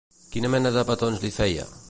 Quina mena de petons li feia?